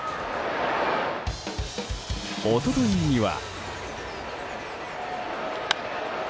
一昨日には。